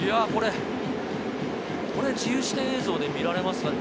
これは自由視点映像で見られますかね？